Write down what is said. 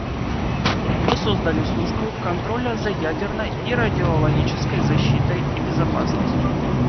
Мы создали службу контроля за ядерной и радиологической защитой и безопасностью.